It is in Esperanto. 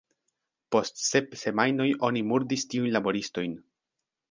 Post sep semajnoj oni murdis tiujn laboristojn.